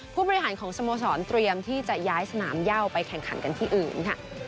ผู้บริหารของสโมสรเตรียมที่จะย้ายสนามย่าไปแข่งขันกันที่อื่นค่ะ